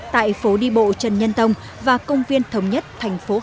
tại phố đi bộ trần nhân tông và công viên thống nhất thành phố hà nội